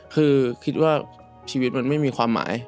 คือคิดว่าชีวิตมันไม่มีความหมาย